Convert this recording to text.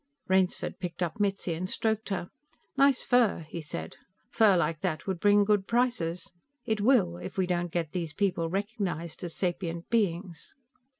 Rainsford picked up Mitzi and stroked her. "Nice fur," he said. "Fur like that would bring good prices. It will, if we don't get these people recognized as sapient beings."